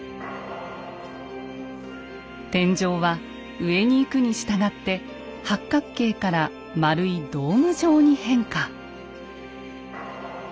天井は上に行くにしたがって八角形から丸いドーム状に変化。